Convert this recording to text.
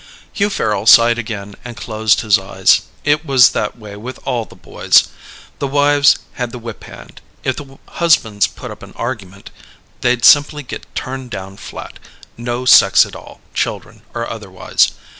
Hugh Farrel sighed again and closed his eyes. It was that way with all the boys. The wives had the whip hand. If the husbands put up an argument, they'd simply get turned down flat: no sex at all, children or otherwise.